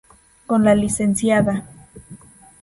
Con la Lic.